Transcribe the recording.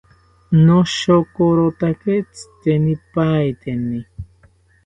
Noshokorotake tzitenipaeteni